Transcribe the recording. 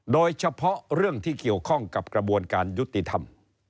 โดยเฉพาะเรื่องที่เกี่ยวข้องกับกระบวนการยุติธรรม